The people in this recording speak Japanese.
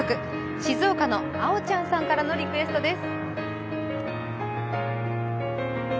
静岡のあおちゃんさんからのリクエストです。